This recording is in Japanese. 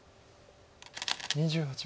２８秒。